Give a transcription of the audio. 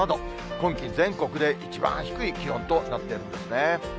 今季全国で一番低い気温となっているんですね。